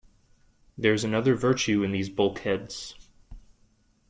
There is another virtue in these bulkheads.